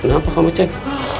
kenapa kamu ceng